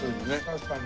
確かに。